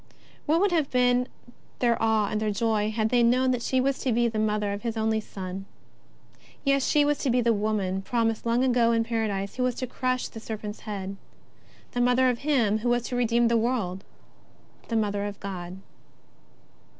What would have been their awe and their joy had they known that she was to be the Mother of His only Son ! Yes, she was to be the woman promised long ago in Paradise who was to crush the serpent's head, the Mother of Him who was to redeem the world, the Mo ther of God.